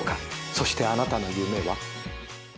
そしてあなたの夢は？